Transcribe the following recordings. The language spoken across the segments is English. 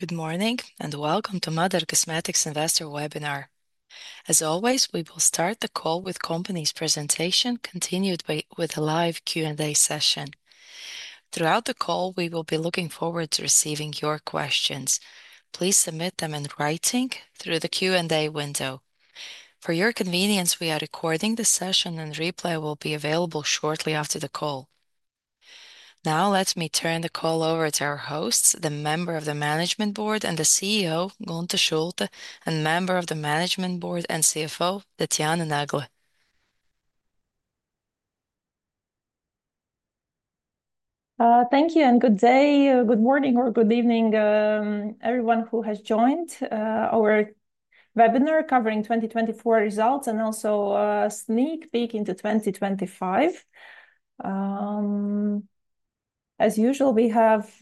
Good morning and welcome to MADARA Cosmetics Investor Webinar. As always, we will start the call with the company's presentation, continued with a live Q&A session. Throughout the call, we will be looking forward to receiving your questions. Please submit them in writing through the Q&A window. For your convenience, we are recording the session, and replay will be available shortly after the call. Now, let me turn the call over to our hosts, the member of the management board and the CEO, Gunta Šulte, and member of the management board and CFO, Tatjana Nagle. Thank you, and good day, good morning, or good evening, everyone who has joined our webinar covering 2024 results and also a sneak peek into 2025. As usual, we have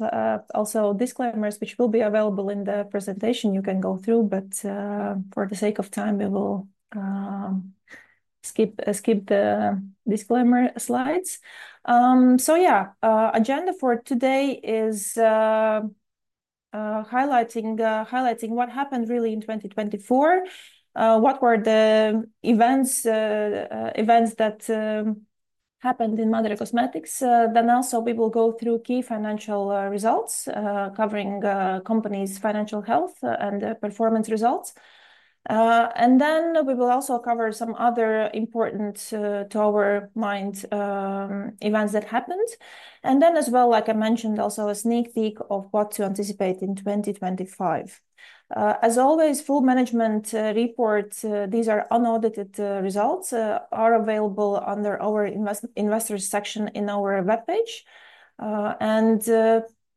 also disclaimers which will be available in the presentation. You can go through, but for the sake of time, we will skip the disclaimer slides. Yeah, the agenda for today is highlighting what happened really in 2024, what were the events that happened in MADARA Cosmetics. Then also, we will go through key financial results covering companies' financial health and performance results. We will also cover some other important to our mind events that happened. Like I mentioned, also a sneak peek of what to anticipate in 2025. As always, full management reports, these are unaudited results, are available under our investors section in our web page.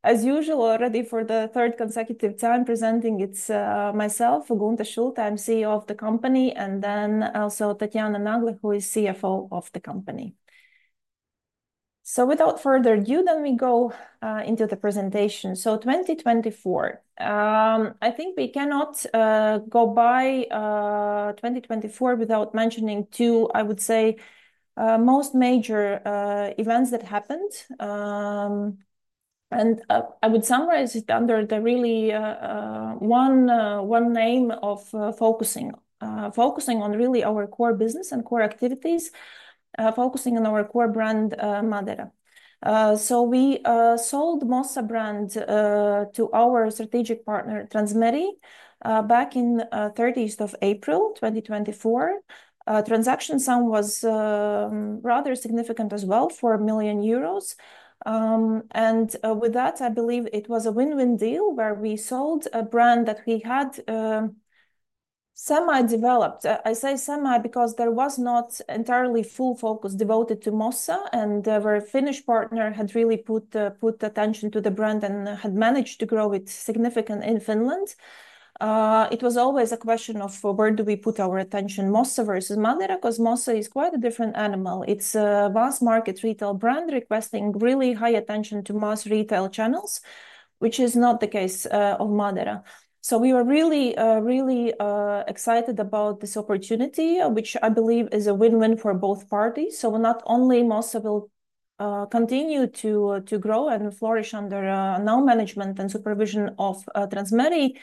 As usual, already for the third consecutive time presenting, it's myself, Gunta Sulte. I'm CEO of the company, and then also Tatjana Nagle, who is CFO of the company. Without further ado, we go into the presentation. In 2024, I think we cannot go by 2024 without mentioning two, I would say, most major events that happened. I would summarize it under the really one name of focusing on really our core business and core activities, focusing on our core brand, MADARA. We sold the MOSSA brand to our strategic partner, Transmeri, back on the 30th of April 2024. The transaction sum was rather significant as well, 4 million euros. With that, I believe it was a win-win deal where we sold a brand that we had semi-developed. I say semi because there was not entirely full focus devoted to MOSSA, and our Finnish partner had really put attention to the brand and had managed to grow it significantly in Finland. It was always a question of where do we put our attention, MOSSA versus MADARA, because MOSSA is quite a different animal. It's a mass market retail brand requesting really high attention to mass retail channels, which is not the case of MADARA. We were really, really excited about this opportunity, which I believe is a win-win for both parties. Not only will MOSSA continue to grow and flourish under now management and supervision of Transmeri,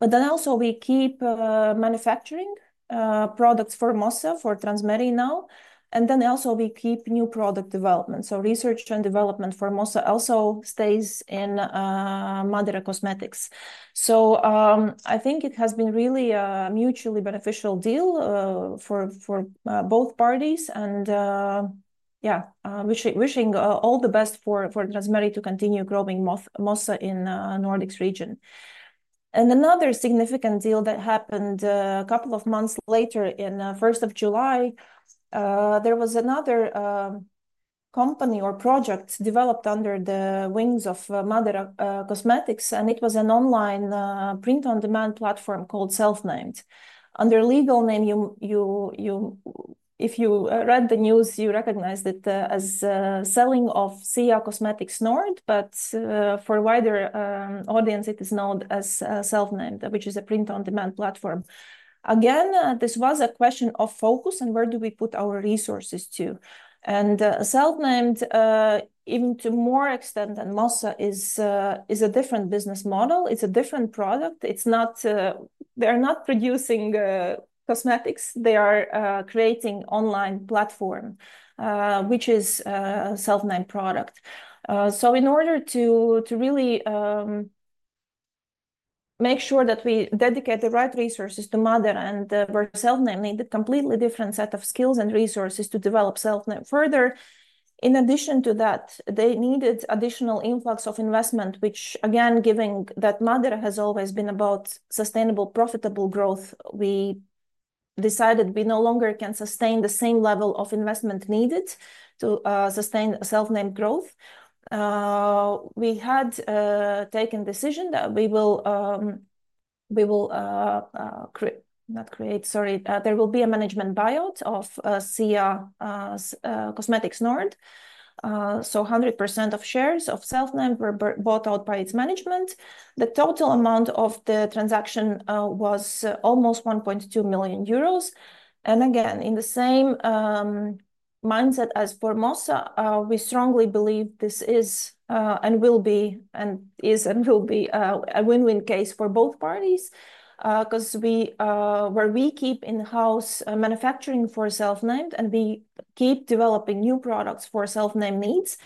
but also we keep manufacturing products for MOSSA, for Transmeri now. Also we keep new product development. Research and development for MOSSA also stays in MADARA Cosmetics. I think it has been really a mutually beneficial deal for both parties. Yeah, wishing all the best for Transmeri to continue growing MOSSA in the Nordics region. Another significant deal that happened a couple of months later, in the 1st of July, there was another company or project developed under the wings of MADARA Cosmetics, and it was an online print-on-demand platform called Self-Named. Under the legal name, if you read the news, you recognize it as selling of SIA Cosmetics Nord, but for a wider audience, it is known as Self-Named, which is a print-on-demand platform. Again, this was a question of focus and where do we put our resources to. Self-Named, even to more extent than MOSSA, is a different business model. It's a different product. They are not producing cosmetics. They are creating an online platform, which is a Self-Named product. In order to really make sure that we dedicate the right resources to MADARA and for Self-Named, they needed a completely different set of skills and resources to develop Self-Named further. In addition to that, they needed additional influx of investment, which again, given that MADARA has always been about sustainable, profitable growth, we decided we no longer can sustain the same level of investment needed to sustain Self-Named growth. We had taken the decision that we will not create, sorry, there will be a management buyout of SIA Cosmetics Nord. 100% of shares of Self-Named were bought out by its management. The total amount of the transaction was almost 1.2 million euros. In the same mindset as for MOSSA, we strongly believe this is and will be a win-win case for both parties because where we keep in-house manufacturing for Self-Named and we keep developing new products for Self-Named needs,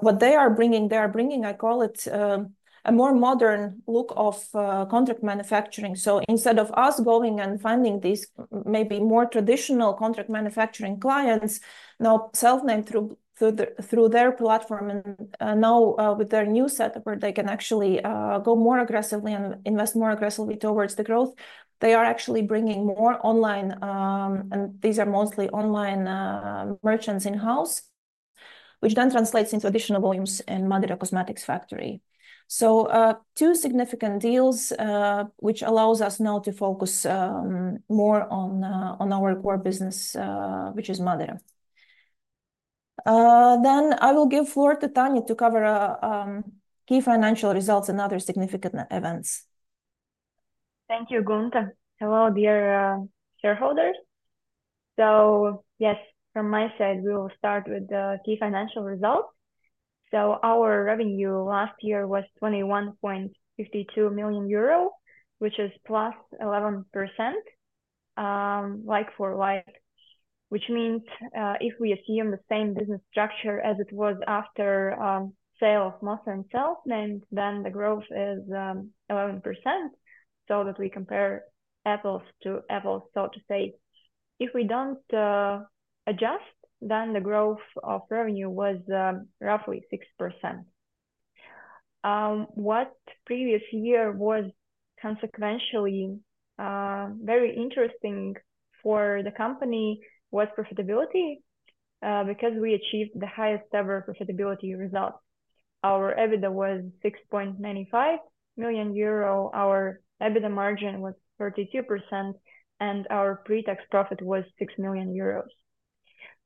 what they are bringing, I call it a more modern look of contract manufacturing. Instead of us going and finding these maybe more traditional contract manufacturing clients, now Self-Named through their platform and now with their new setup where they can actually go more aggressively and invest more aggressively towards the growth, they are actually bringing more online, and these are mostly online merchants in-house, which then translates into additional volumes in MADARA Cosmetics Factory. Two significant deals allow us now to focus more on our core business, which is MADARA. I will give the floor to Tatjana to cover key financial results and other significant events. Thank you, Gunta. Hello, dear shareholders. Yes, from my side, we will start with the key financial results. Our revenue last year was 21.52 million euro, which is plus 11% like for like, which means if we assume the same business structure as it was after sale of MOSSA and Self-Named, then the growth is 11%. That way we compare apples to apples, so to say. If we do not adjust, then the growth of revenue was roughly 6%. What previous year was consequentially very interesting for the company was profitability because we achieved the highest ever profitability result. Our EBITDA was 6.95 million euro, our EBITDA margin was 32%, and our pre-tax profit was 6 million euros.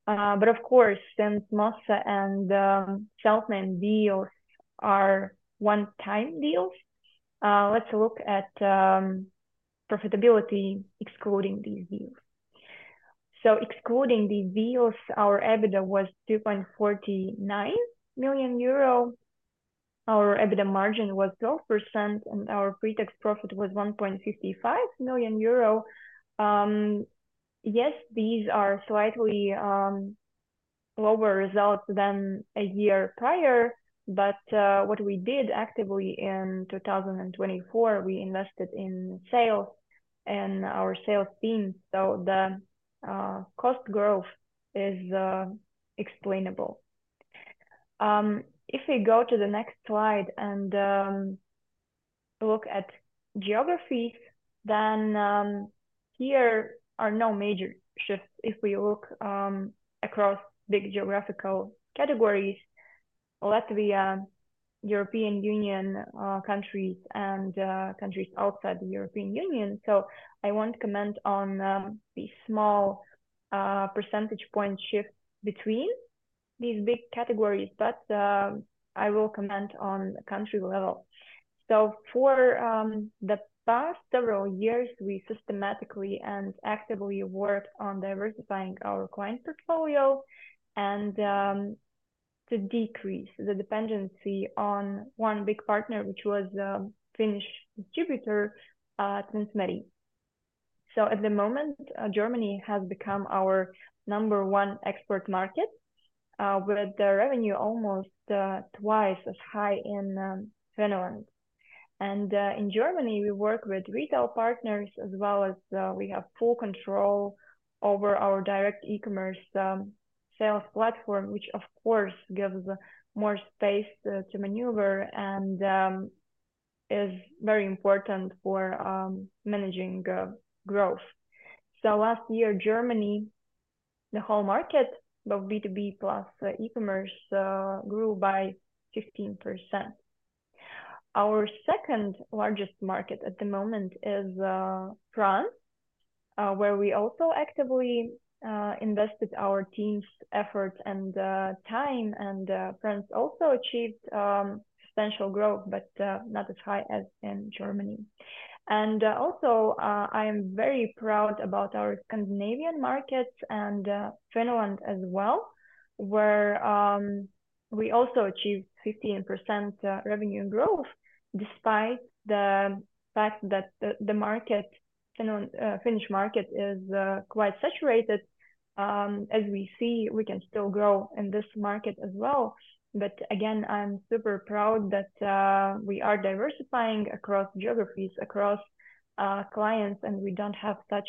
Of course, since MOSSA and Self-Named deals are one-time deals, let's look at profitability excluding these deals. Excluding these deals, our EBITDA was 2.49 million euro, our EBITDA margin was 12%, and our pre-tax profit was 1.55 million euro. Yes, these are slightly lower results than a year prior, but what we did actively in 2024, we invested in sales and our sales team. The cost growth is explainable. If we go to the next slide and look at geographies, there are no major shifts. If we look across big geographical categories: Latvia, European Union countries, and countries outside the European Union. I will not comment on the small percentage point shift between these big categories, but I will comment on country level. For the past several years, we systematically and actively worked on diversifying our client portfolio and to decrease the dependency on one big partner, which was a Finnish distributor, Transmeri. At the moment, Germany has become our number one export market with the revenue almost twice as high as in Finland. In Germany, we work with retail partners as well as we have full control over our direct e-commerce sales platform, which of course gives more space to maneuver and is very important for managing growth. Last year, Germany, the whole market of B2B plus e-commerce grew by 15%. Our second largest market at the moment is France, where we also actively invested our team's efforts and time, and France also achieved substantial growth, but not as high as in Germany. I am very proud about our Scandinavian markets and Finland as well, where we also achieved 15% revenue growth despite the fact that the Finnish market is quite saturated. As we see, we can still grow in this market as well. Again, I'm super proud that we are diversifying across geographies, across clients, and we do not have such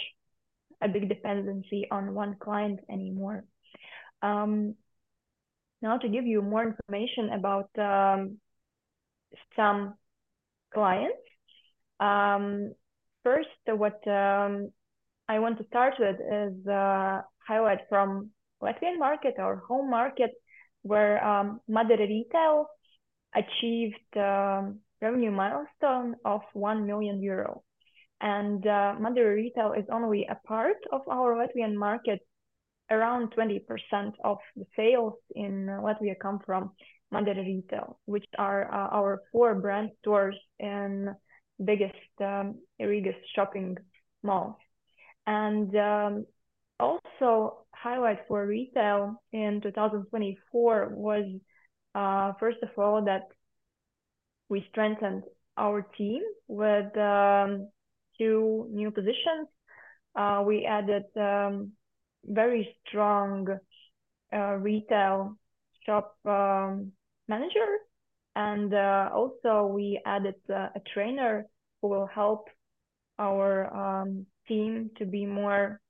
a big dependency on one client anymore. Now, to give you more information about some clients, first, what I want to start with is a highlight from the Latvian market, our home market, where MADARA Retail achieved a revenue milestone of 1 million euro. MADARA Retail is only a part of our Latvian market. Around 20% of the sales in Latvia come from MADARA Retail, which are our four brand stores and biggest shopping malls. Also, a highlight for retail in 2024 was, first of all, that we strengthened our team with two new positions. We added a very strong retail shop manager, and also we added a trainer who will help our team to be more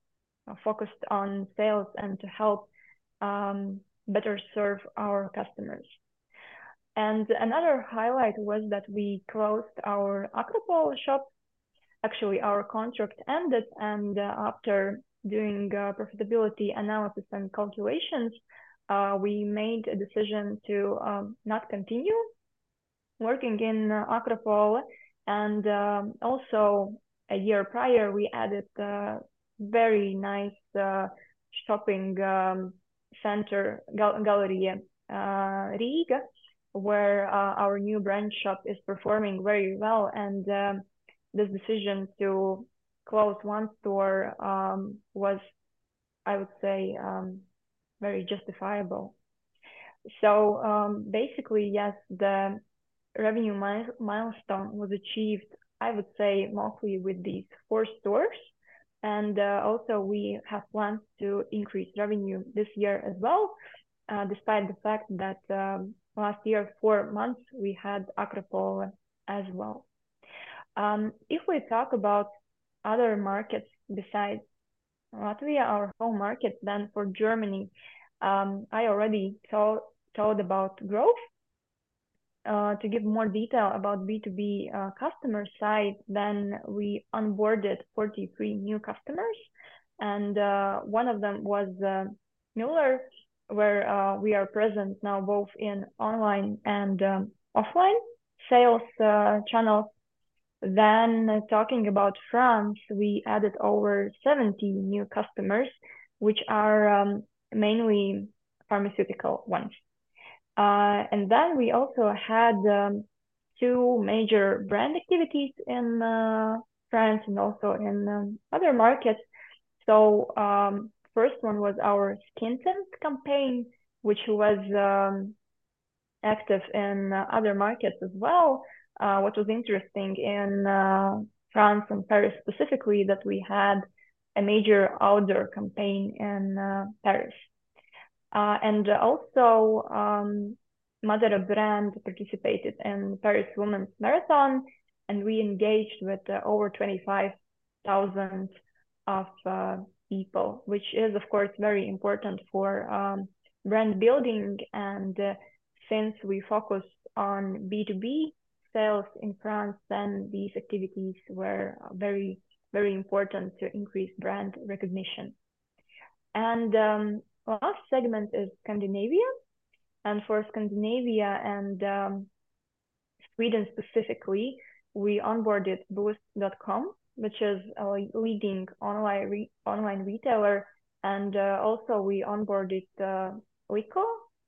focused on sales and to help better serve our customers. Another highlight was that we closed our Akropole shop. Actually, our contract ended, and after doing profitability analysis and calculations, we made a decision to not continue working in Akropole. Also, a year prior, we added a very nice shopping center, Galleria Riga, where our new brand shop is performing very well. This decision to close one store was, I would say, very justifiable. Basically, yes, the revenue milestone was achieved, I would say, mostly with these four stores. We have plans to increase revenue this year as well, despite the fact that last year, for four months, we had Akropole as well. If we talk about other markets besides Latvia, our home market, then for Germany, I already told about growth. To give more detail about the B2B customer side, we onboarded 43 new customers, and one of them was Müller, where we are present now both in online and offline sales channels. Talking about France, we added over 70 new customers, which are mainly pharmaceutical ones. We also had two major brand activities in France and in other markets. The first one was our skin tent campaign, which was active in other markets as well. What was interesting in France and Paris specifically is that we had a major outdoor campaign in Paris. MADARA brand participated in the Paris Women's Marathon, and we engaged with over 25,000 people, which is, of course, very important for brand building. Since we focused on B2B sales in France, these activities were very, very important to increase brand recognition. The last segment is Scandinavia. For Scandinavia and Sweden specifically, we onboarded Boozt.com, which is a leading online retailer. We also onboarded Lyko,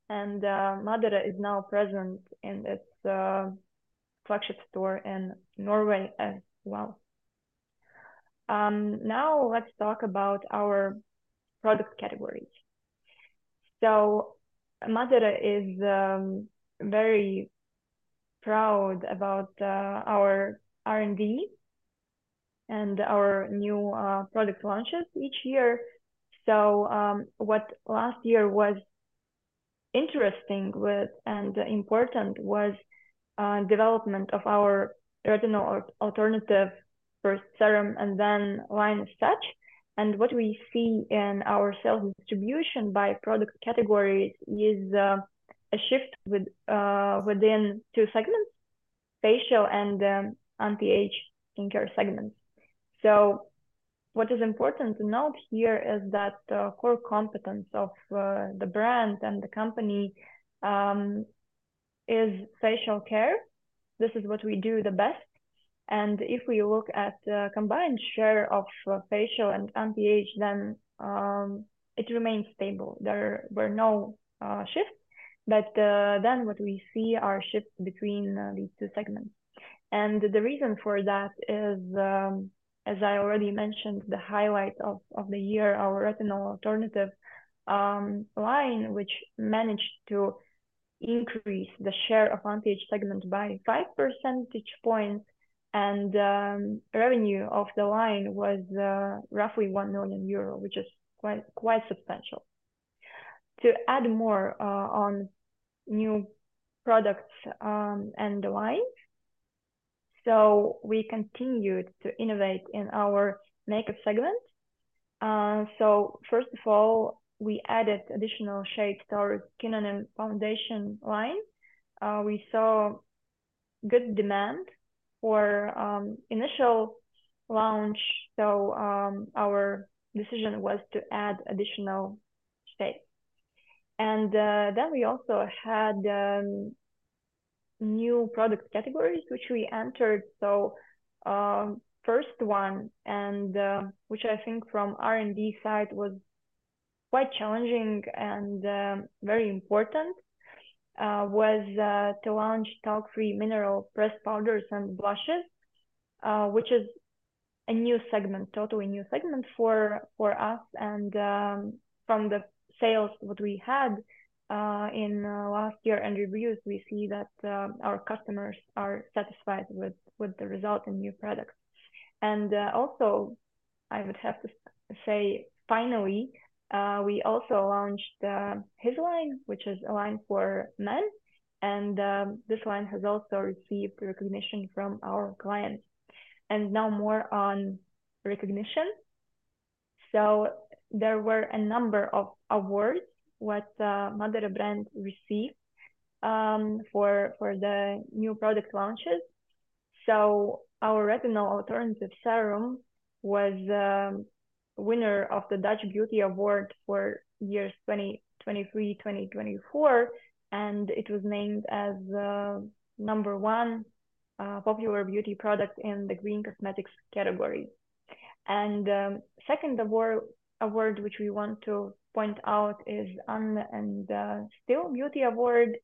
and MADARA is now present in its flagship store in Norway as well. Now let's talk about our product categories. MADARA is very proud about our R&D and our new product launches each year. What last year was interesting and important was the development of our Retinol Alternative first serum and then line as such. What we see in our sales distribution by product categories is a shift within two segments: facial and anti-age skincare segments. What is important to note here is that the core competence of the brand and the company is facial care. This is what we do the best. If we look at the combined share of facial and anti-age, then it remains stable. There were no shifts, but then what we see are shifts between these two segments. The reason for that is, as I already mentioned, the highlight of the year, our Retinol Alternative line, which managed to increase the share of anti-age segment by 5 percentage points, and revenue of the line was roughly 1 million euro, which is quite substantial. To add more on new products and the lines, we continued to innovate in our makeup segment. First of all, we added additional shades to our foundation line. We saw good demand for initial launch, so our decision was to add additional shades. We also had new product categories, which we entered. The first one, which I think from R&D side was quite challenging and very important, was to launch talc-free mineral pressed powders and blushes, which is a new segment, totally new segment for us. From the sales that we had in last year and reviews, we see that our customers are satisfied with the result and new products. I would have to say, finally, we also launched HIS line, which is a line for men. This line has also received recognition from our clients. Now more on recognition. There were a number of awards that MADARA brand received for the new product launches. Our retinol alternative serum was a winner of the Dutch Beauty Award for years 2023-2024, and it was named as number one popular beauty product in the green cosmetics category. The second award, which we want to point out, is Ann & Stiil Beauty Award,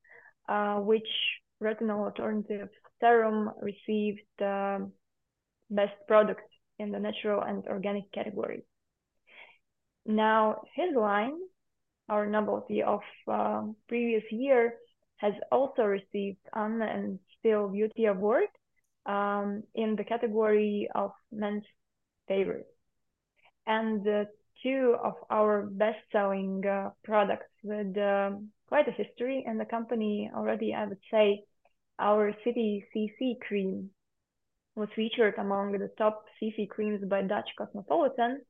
which retinol alternative serum received for best product in the natural and organic category. Now, Hysline, our novelty of previous year, has also received Ann & Stiil Beauty Award in the category of men's favorite. Two of our best-selling products with quite a history in the company already, I would say, our City CC Cream was featured among the top CC creams by Dutch Cosmopolitan,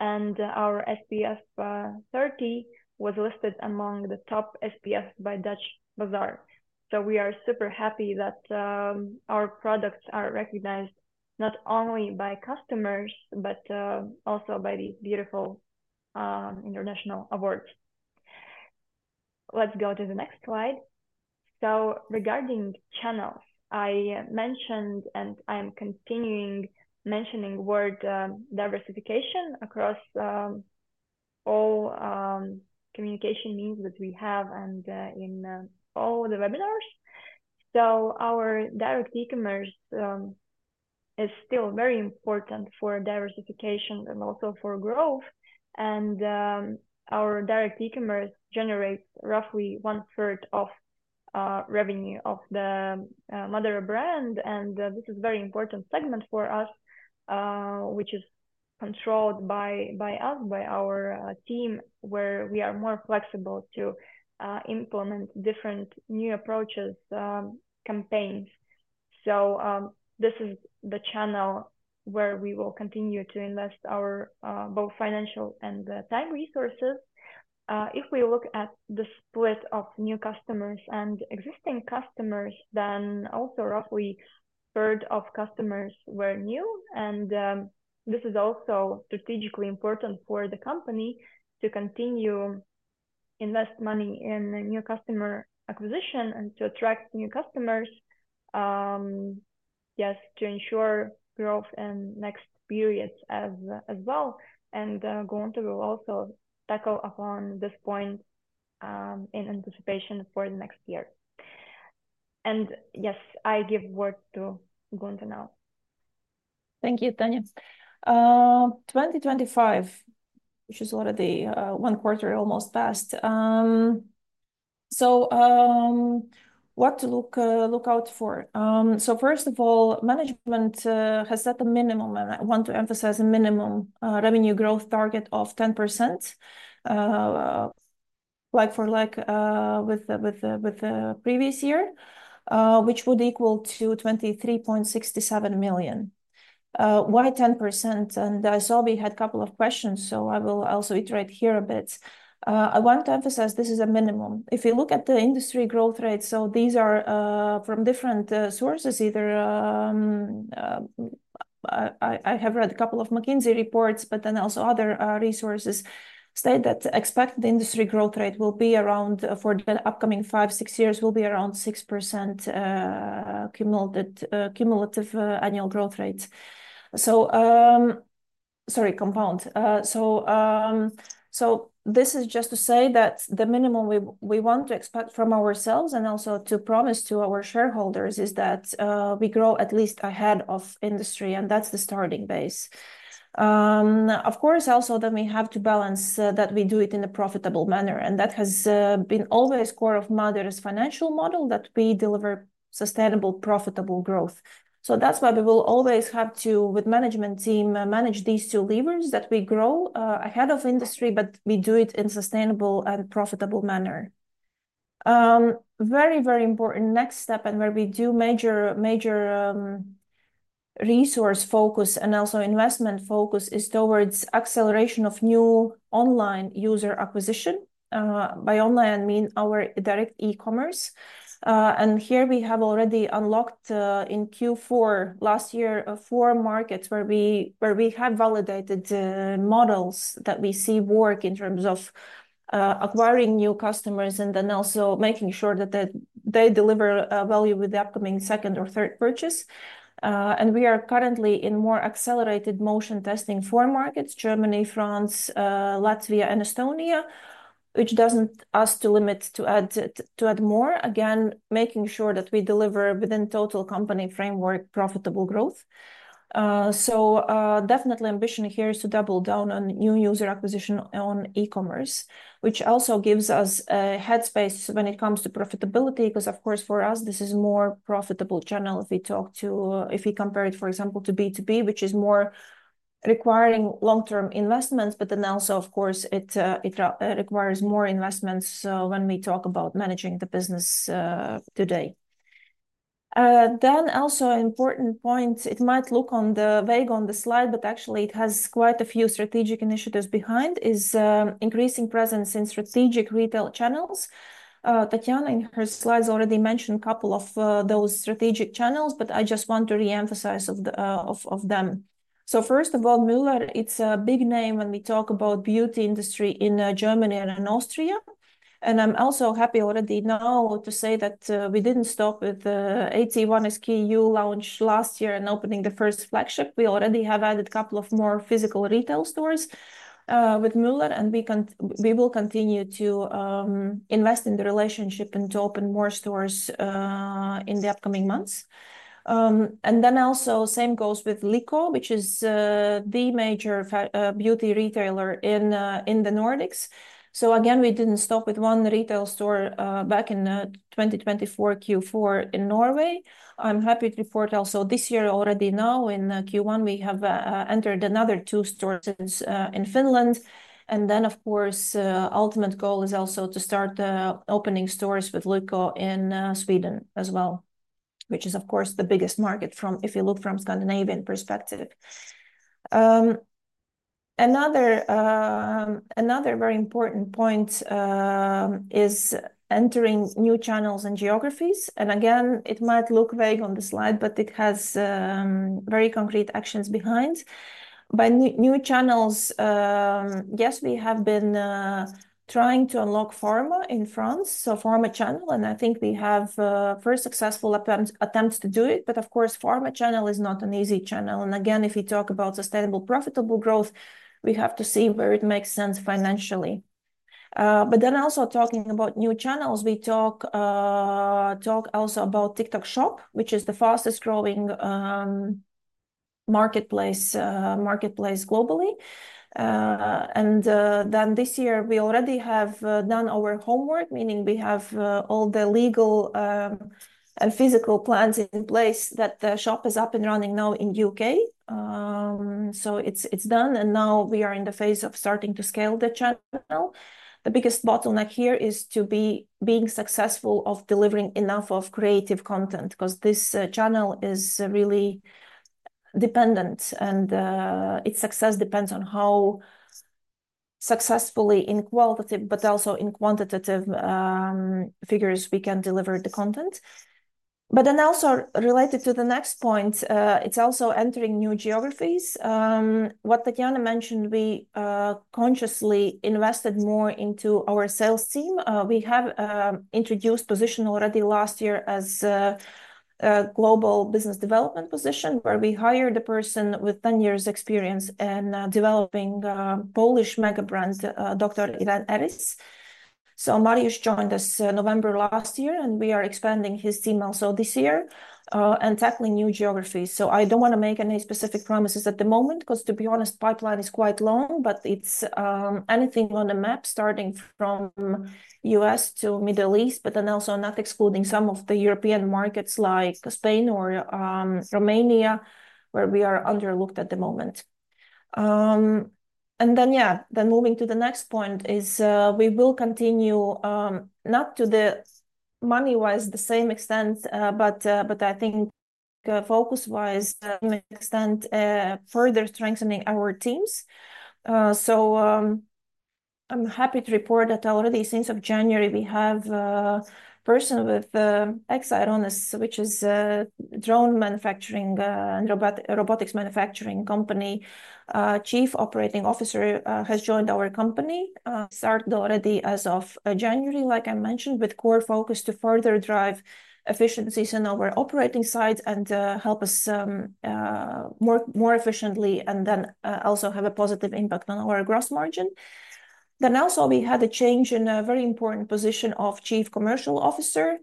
and our SPF 30 was listed among the top SPFs by Dutch Bazaar. We are super happy that our products are recognized not only by customers, but also by these beautiful international awards. Let's go to the next slide. Regarding channels, I mentioned and I'm continuing mentioning word diversification across all communication means that we have and in all the webinars. Our direct e-commerce is still very important for diversification and also for growth. Our direct e-commerce generates roughly one-third of revenue of the MADARA brand. This is a very important segment for us, which is controlled by us, by our team, where we are more flexible to implement different new approaches, campaigns. This is the channel where we will continue to invest our both financial and time resources. If we look at the split of new customers and existing customers, then also roughly a third of customers were new. This is also strategically important for the company to continue to invest money in new customer acquisition and to attract new customers, just to ensure growth in next periods as well. Gunta will also tackle upon this point in anticipation for the next year. Yes, I give word to Gunta now. Thank you, Tatjana. 2025, which is already one quarter almost past. What to look out for? First of all, management has set a minimum, and I want to emphasize a minimum revenue growth target of 10%, like for like with the previous year, which would equal to 23.67 million. Why 10%? I saw we had a couple of questions, so I will also iterate here a bit. I want to emphasize this is a minimum. If you look at the industry growth rate, these are from different sources. Either I have read a couple of McKinsey reports, but also other resources state that expected industry growth rate for the upcoming five, six years will be around 6% compound annual growth rates. Sorry, compound. This is just to say that the minimum we want to expect from ourselves and also to promise to our shareholders is that we grow at least ahead of industry, and that's the starting base. Of course, also we have to balance that we do it in a profitable manner. That has been always core of MADARA's financial model that we deliver sustainable, profitable growth. That's why we will always have to, with management team, manage these two levers that we grow ahead of industry, but we do it in a sustainable and profitable manner. Very, very important next step, and where we do major resource focus and also investment focus is towards acceleration of new online user acquisition. By online, I mean our direct e-commerce. Here we have already unlocked in Q4 last year four markets where we have validated models that we see work in terms of acquiring new customers and then also making sure that they deliver value with the upcoming second or third purchase. We are currently in more accelerated motion testing four markets, Germany, France, Latvia, and Estonia, which does not limit us to add more. Again, making sure that we deliver within total company framework profitable growth. Definitely ambition here is to double down on new user acquisition on e-commerce, which also gives us a headspace when it comes to profitability, because of course for us, this is a more profitable channel if we compare it, for example, to B2B, which is more requiring long-term investments, but then also, of course, it requires more investments when we talk about managing the business today. Also, an important point, it might look vague on the slide, but actually it has quite a few strategic initiatives behind, is increasing presence in strategic retail channels. Tatjana in her slides already mentioned a couple of those strategic channels, but I just want to re-emphasize some of them. First of all, Müller, it's a big name when we talk about beauty industry in Germany and in Austria. I'm also happy already now to say that we did not stop with the AT1 SKU launch last year and opening the first flagship. We already have added a couple of more physical retail stores with Müller, and we will continue to invest in the relationship and to open more stores in the upcoming months. Also, the same goes with Lyko, which is the major beauty retailer in the Nordics. Again, we didn't stop with one retail store back in 2024 Q4 in Norway. I'm happy to report also this year already now in Q1, we have entered another two stores in Finland. Of course, the ultimate goal is also to start opening stores with Lyko in Sweden as well, which is, of course, the biggest market from, if you look from Scandinavian perspective. Another very important point is entering new channels and geographies. Again, it might look vague on the slide, but it has very concrete actions behind. By new channels, yes, we have been trying to unlock pharma in France, so pharma channel, and I think we have first successful attempts to do it, but of course, pharma channel is not an easy channel. Again, if we talk about sustainable, profitable growth, we have to see where it makes sense financially. But then also talking about new channels, we talk also about TikTok Shop, which is the fastest growing marketplace globally. This year we already have done our homework, meaning we have all the legal and physical plans in place that the shop is up and running now in the U.K. It is done, and now we are in the phase of starting to scale the channel. The biggest bottleneck here is to be being successful of delivering enough of creative content because this channel is really dependent and its success depends on how successfully in qualitative, but also in quantitative figures we can deliver the content. Then also related to the next point, it is also entering new geographies. What Tatjana mentioned, we consciously invested more into our sales team. We have introduced a position already last year as a global business development position where we hired a person with 10 years' experience in developing Polish mega brands, Dr. Irena Eris. Mariusz joined us November last year, and we are expanding his team also this year and tackling new geographies. I do not want to make any specific promises at the moment because, to be honest, the pipeline is quite long, but it is anything on the map starting from the U.S. to the Middle East, but then also not excluding some of the European markets like Spain or Romania, where we are underlooked at the moment. Yeah, then moving to the next point is we will continue not to the money-wise the same extent, but I think focus-wise to an extent further strengthening our teams. I am happy to report that already since January we have a person with ex-Printful background, which is a print-on-demand company. Chief Operating Officer has joined our company. Started already as of January, like I mentioned, with core focus to further drive efficiencies in our operating sites and help us work more efficiently and then also have a positive impact on our gross margin. We had a change in a very important position of Chief Commercial Officer.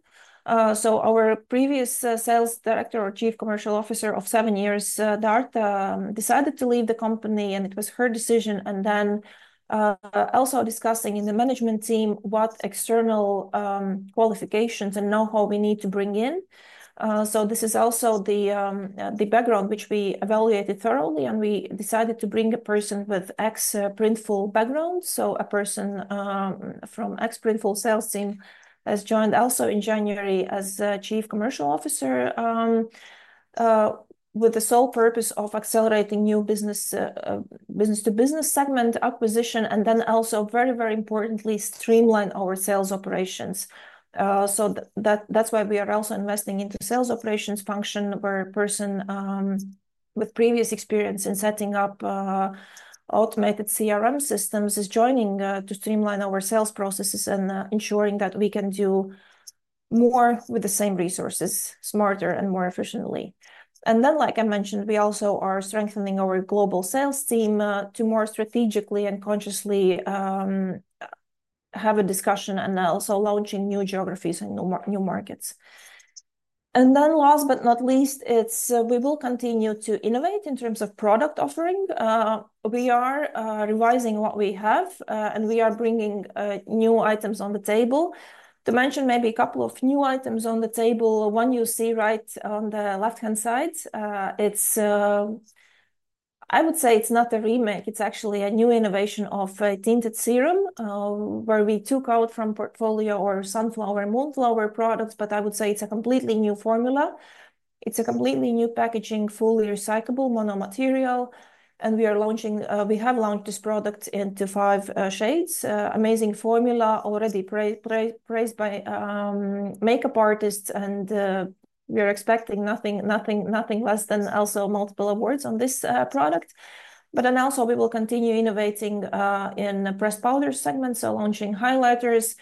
Our previous sales director or Chief Commercial Officer of seven years, Darta, decided to leave the company, and it was her decision. Also discussing in the management team what external qualifications and know-how we need to bring in. This is also the background which we evaluated thoroughly, and we decided to bring a person with ex-Printful background. A person from ex-Printful sales team has joined also in January as Chief Commercial Officer with the sole purpose of accelerating new business-to-business segment acquisition and then also, very, very importantly, streamline our sales operations. That is why we are also investing into sales operations function where a person with previous experience in setting up automated CRM systems is joining to streamline our sales processes and ensuring that we can do more with the same resources, smarter and more efficiently. Like I mentioned, we also are strengthening our global sales team to more strategically and consciously have a discussion and also launching new geographies and new markets. Last but not least, we will continue to innovate in terms of product offering. We are revising what we have, and we are bringing new items on the table. To mention maybe a couple of new items on the table, one you see right on the left-hand side. I would say it's not a remake. It's actually a new innovation of a tinted serum where we took out from portfolio our sunflower and moonflower products, but I would say it's a completely new formula. It's a completely new packaging, fully recyclable monomaterial. We have launched this product into five shades. Amazing formula already praised by makeup artists, and we are expecting nothing less than also multiple awards on this product. We will continue innovating in the press powder segment, launching highlighters.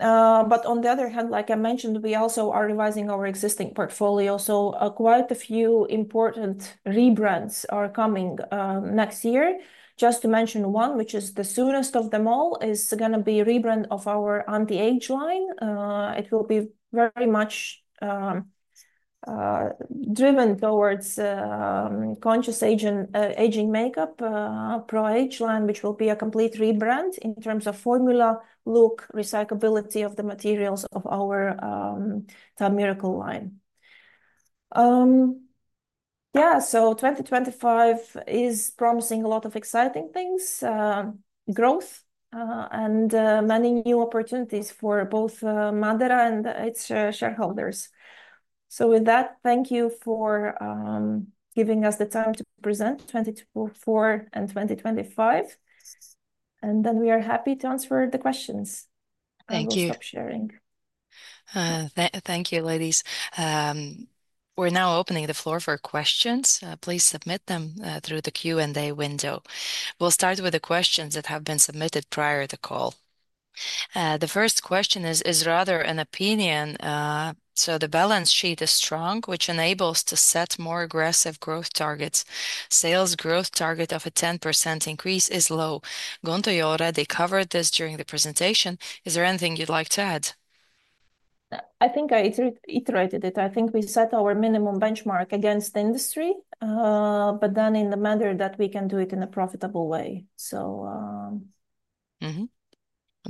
Like I mentioned, we also are revising our existing portfolio. Quite a few important rebrands are coming next year. Just to mention one, which is the soonest of them all, is going to be a rebrand of our anti-age line. It will be very much driven towards conscious aging makeup, pro-age line, which will be a complete rebrand in terms of formula, look, recyclability of the materials of our Time Miracle line. Yeah, 2025 is promising a lot of exciting things, growth, and many new opportunities for both MADARA and its shareholders. With that, thank you for giving us the time to present 2024 and 2025. We are happy to answer the questions. Thank you for sharing. Thank you, ladies. We're now opening the floor for questions. Please submit them through the Q&A window. We'll start with the questions that have been submitted prior to call. The first question is rather an opinion. The balance sheet is strong, which enables to set more aggressive growth targets. Sales growth target of a 10% increase is low. Gunta Šulte already covered this during the presentation. Is there anything you'd like to add? I think I iterated it. I think we set our minimum benchmark against the industry, but then in the manner that we can do it in a profitable way.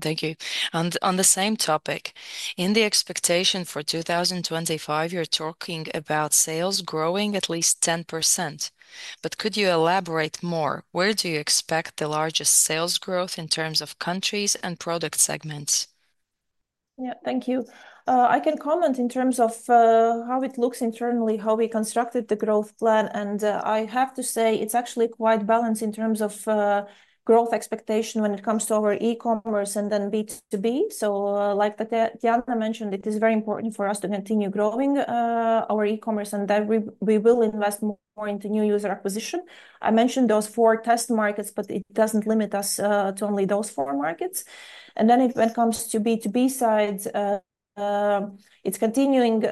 Thank you. On the same topic, in the expectation for 2025, you're talking about sales growing at least 10%. Could you elaborate more? Where do you expect the largest sales growth in terms of countries and product segments? Yeah, thank you. I can comment in terms of how it looks internally, how we constructed the growth plan. I have to say it's actually quite balanced in terms of growth expectation when it comes to our e-commerce and then B2B. Like Tatjana mentioned, it is very important for us to continue growing our e-commerce and that we will invest more into new user acquisition. I mentioned those four test markets, but it does not limit us to only those four markets. When it comes to the B2B side, it is continuing.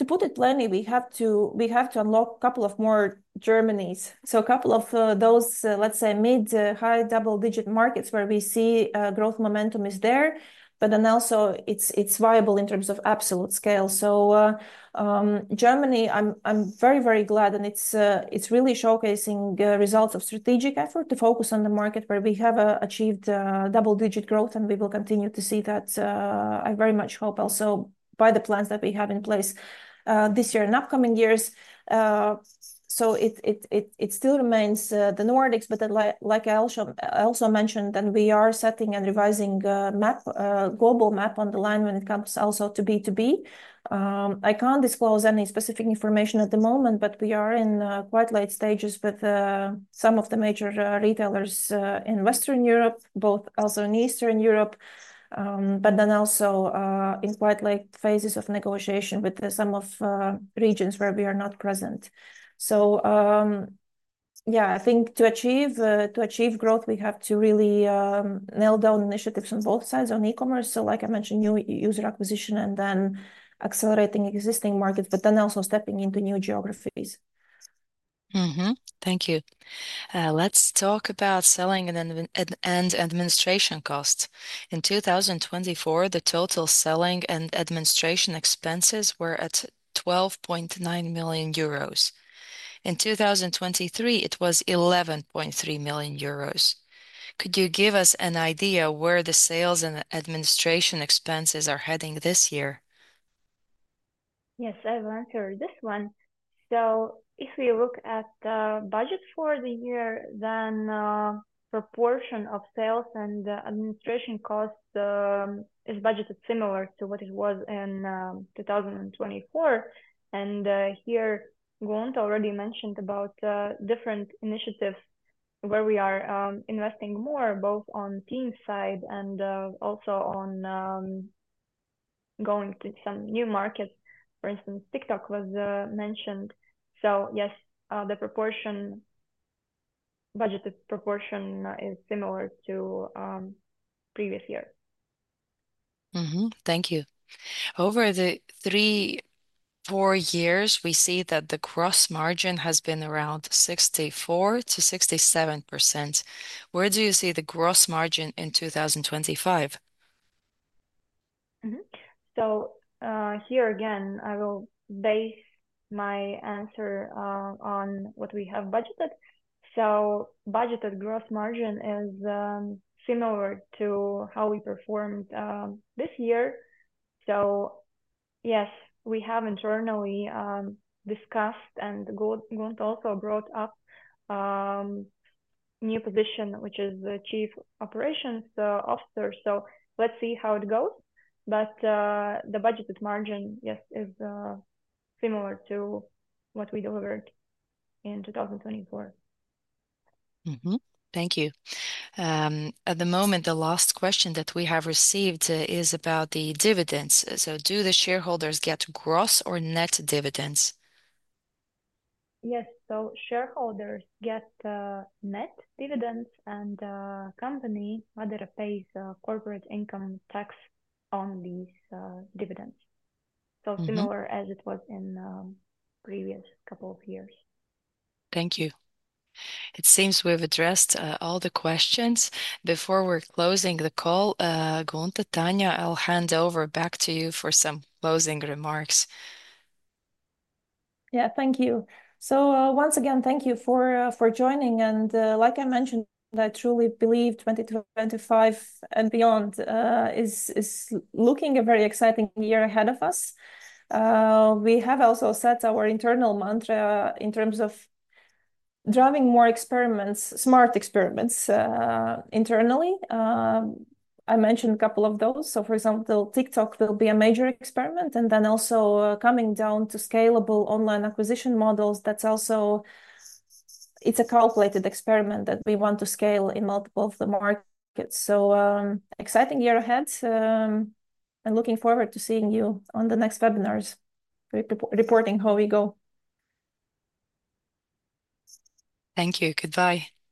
To put it plainly, we have to unlock a couple of more Germanies. A couple of those, let's say, mid-high double-digit markets where we see growth momentum is there, but also it is viable in terms of absolute scale. Germany, I am very, very glad and it is really showcasing results of strategic effort to focus on the market where we have achieved double-digit growth and we will continue to see that. I very much hope also by the plans that we have in place this year and upcoming years. It still remains the Nordics, but like I also mentioned, we are setting and revising global map on the line when it comes also to B2B. I can't disclose any specific information at the moment, but we are in quite late stages with some of the major retailers in Western Europe, both also in Eastern Europe, but then also in quite late phases of negotiation with some of the regions where we are not present. I think to achieve growth, we have to really nail down initiatives on both sides on e-commerce. Like I mentioned, new user acquisition and then accelerating existing markets, but then also stepping into new geographies. Thank you. Let's talk about selling and administration costs. In 2024, the total selling and administration expenses were at 12.9 million euros. In 2023, it was 11.3 million euros. Could you give us an idea where the sales and administration expenses are heading this year? Yes, I've answered this one. If we look at the budget for the year, then the proportion of sales and administration costs is budgeted similar to what it was in 2024. Here, Gunta Sulte already mentioned about different initiatives where we are investing more, both on team side and also on going to some new markets. For instance, TikTok was mentioned. Yes, the budgeted proportion is similar to previous years. Thank you. Over the three to four years, we see that the gross margin has been around 64%-67%. Where do you see the gross margin in 2025? Here again, I will base my answer on what we have budgeted. Budgeted gross margin is similar to how we performed this year. Yes, we have internally discussed and Gunta also brought up a new position, which is the Chief Operations Officer. Let's see how it goes. The budgeted margin, yes, is similar to what we delivered in 2024. Thank you. At the moment, the last question that we have received is about the dividends. Do the shareholders get gross or net dividends? Yes, shareholders get net dividends and the company MADARA pays corporate income tax on these dividends. Similar as it was in the previous couple of years. Thank you. It seems we've addressed all the questions. Before we're closing the call, Gunta, Tatjana, I'll hand over back to you for some closing remarks. Thank you. Once again, thank you for joining. Like I mentioned, I truly believe 2025 and beyond is looking a very exciting year ahead of us. We have also set our internal mantra in terms of driving more experiments, smart experiments internally. I mentioned a couple of those. For example, TikTok will be a major experiment. Also, coming down to scalable online acquisition models, that is also a calculated experiment that we want to scale in multiple of the markets. Exciting year ahead. Looking forward to seeing you on the next webinars reporting how we go. Thank you. Goodbye.